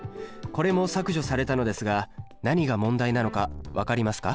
これも削除されたのですが何が問題なのか分かりますか？